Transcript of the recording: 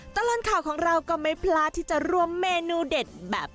ตลอดข่าวของเราก็ไม่พลาดที่จะรวมเมนูเด็ดแบบ